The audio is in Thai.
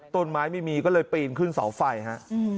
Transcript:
ต้นไม้ไม่มีก็เลยปีนขึ้นเสาไฟฮะ